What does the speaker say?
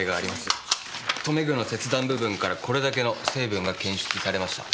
留め具の切断部分からこれだけの成分が検出されました。